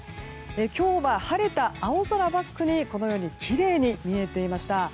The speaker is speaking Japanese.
今日は晴れた青空バックにこのようにきれいに見えていました。